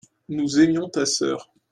nous aimions ta sœur.